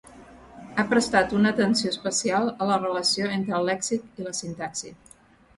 Ha prestat una atenció especial a la relació entre el lèxic i la sintaxi.